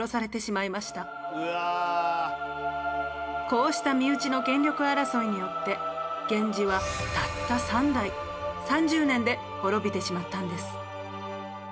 こうした身内の権力争いによって源氏はたった３代３０年で滅びてしまったんです。